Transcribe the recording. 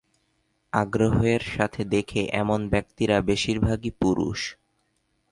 আগ্রহের সাথে দেখে এমন ব্যক্তিরা বেশির ভাগই পুরুষ।